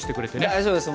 大丈夫です。